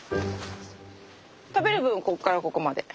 食べる部分はここからここまで。